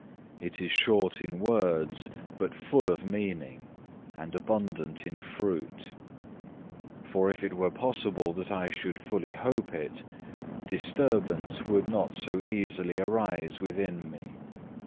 It is short in words but full of meaning, and abundant in fruit. For if it were possible that I should fully keep it, disturbance would not so easily arise within me.